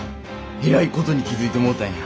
えらいことに気付いてもうたんや。